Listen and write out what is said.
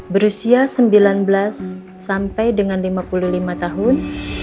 berusia sembilan belas sampai dengan lima puluh lima tahun